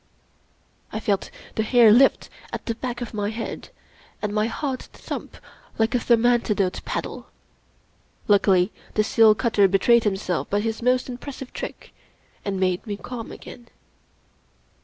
I felt the hair lift at the back of my head, and my heart thump like a thermantidote paddle. Luckily, the seal cutter betrayed himself by his most impressive trick and made me calm again.